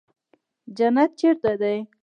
جنت چېرته دى.